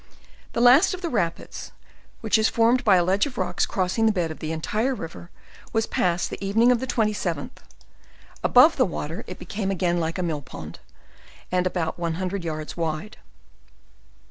The last of the rapids, which is formed by a ledge of rocks crossing the entire bed of the river, was passed in the evening of the 27th; above it the water became again like a mill pond and about one hundred yards wide.